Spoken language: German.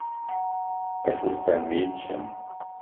Es ist ein Mädchen.